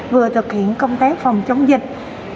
vừa thực hiện công tác phòng chống dịch